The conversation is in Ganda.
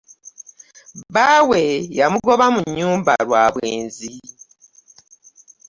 Bba we yamugoba mu nnyumba lwa bwenzi.